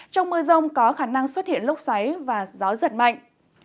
trong mưa rông có khả năng xuất hiện lốc xoáy và gió giật mạnh